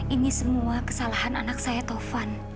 ini semua kesalahan anak saya tovan